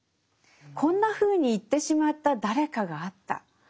「こんなふうに行ってしまった、誰かがあった」。